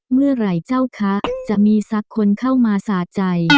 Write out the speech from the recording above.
เมื่อไหร่เจ้าคะจะมีสักคนเข้ามาสะใจ